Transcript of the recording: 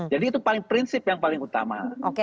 jadi itu prinsip yang paling utama